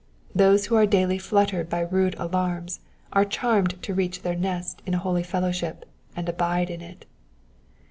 Those who are daily fluttered by rude alarms are charmed to reach their nest in a holy fellowship, and abide in it.